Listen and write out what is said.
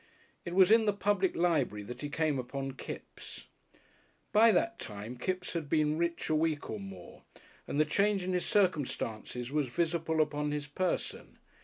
It was in the Public Library that he came upon Kipps. By that time Kipps had been rich a week or more, and the change in his circumstances was visible upon his person.